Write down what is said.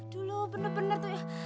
dulu bener bener tuh ya